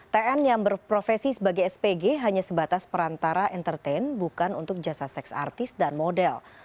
tn yang berprofesi sebagai spg hanya sebatas perantara entertain bukan untuk jasa seks artis dan model